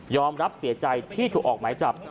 ยอมรับเสียใจที่ถูกออกไหมจับ